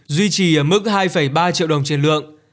duy trì ở mức hai ba triệu đồng trên lượng